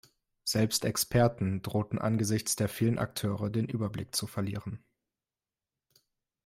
Selbst Experten drohten angesichts der vielen Akteure den Überblick zu verlieren.